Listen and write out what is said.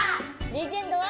レジェンドは？